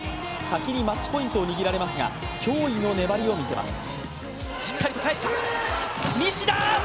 先にマッチポイントを握られますが、驚異の粘りを見せます。